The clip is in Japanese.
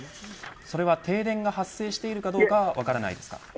それは停電が発生しているかどうかは分かりませんか。